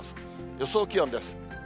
予想気温です。